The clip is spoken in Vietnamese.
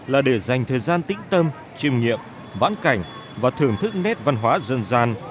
là để dành thời gian tĩnh tâm chiêm nghiệm vãn cảnh và thưởng thức nét văn hóa dân gian